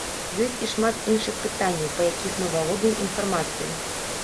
Ёсць і шмат іншых пытанняў, па якіх мы валодаем інфармацыяй.